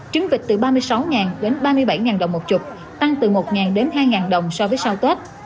trứng vịt từ ba mươi sáu đến ba mươi bảy đồng một chục tăng từ một đến hai đồng so với sau tết